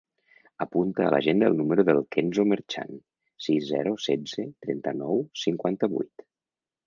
Apunta a l'agenda el número del Kenzo Merchan: sis, zero, setze, trenta-nou, cinquanta-vuit.